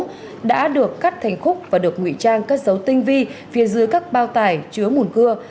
gỗ đã được cắt thành khúc và được ngụy trang cắt dấu tinh vi phía dưới các bao tải chứa mùn cưa